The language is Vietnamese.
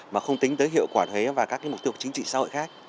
mà không tính tới hiệu quả thuế và các mục tiêu chính trị xã hội khác